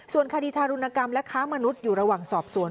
ส่วนคดีทารุณกรรมและค้ามนุษย์อยู่ระหว่างสอบสวน